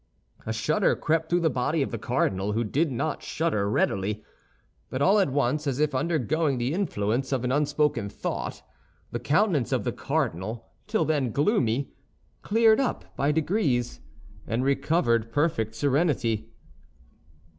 A shudder crept through the body of the cardinal, who did not shudder readily. But all at once, as if undergoing the influence of an unspoken thought, the countenance of the cardinal, till then gloomy, cleared up by degrees, and recovered perfect serenity.